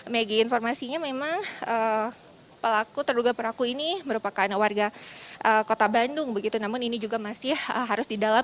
megi informasinya memang pelaku terduga pelaku ini merupakan warga kota bandung begitu namun ini juga masih harus didalam